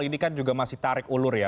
ini kan juga masih tarik ulur ya